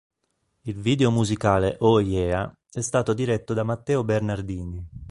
Il video musicale "Ooh Yeah" è stato diretto da Matteo Bernardini.